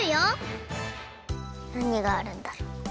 なにがあるんだろう？